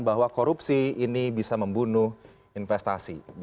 bahwa korupsi ini bisa membunuh investasi